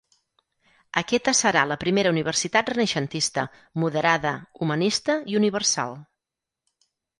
Aquesta serà la primera universitat renaixentista, moderada, humanista i universal.